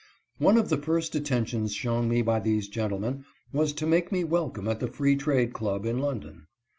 One of the first attentions shown me by these gentle men was to make me welcome at the Free Trade Club, in London.